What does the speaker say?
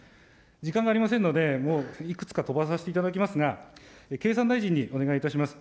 時間がありませんので、もういくつか飛ばさせていただきますが、経産大臣にお願いいたします。